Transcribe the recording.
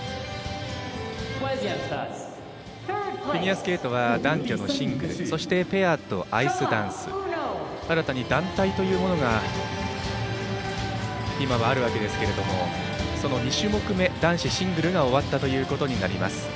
フィギュアスケートは男女のシングルそしてペアとアイスダンス新たに団体というものが今はあるわけですけれどもその２種目め、男子シングルが終わったということになります。